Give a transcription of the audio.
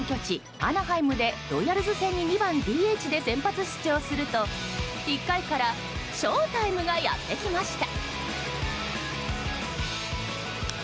アナハイムでロイヤルズ戦に２番ＤＨで先発出場すると１回からショータイムがやってきました。